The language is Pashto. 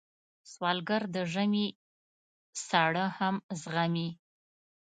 سوالګر د ژمي سړه هم زغمي